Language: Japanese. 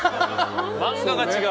漫画が違う。